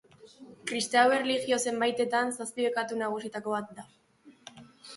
Kristau erlijio zenbaitetan zazpi bekatu nagusietako bat da.